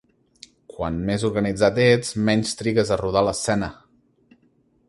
Quant més organitzat ets, menys trigues a rodar l'escena.